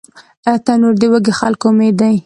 تنور د وږي خلکو امید دی